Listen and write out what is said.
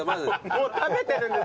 もう食べてるんですよね？